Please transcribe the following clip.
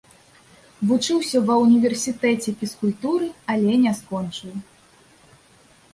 Вучыўся ва ўніверсітэце фізкультуры, але не скончыў.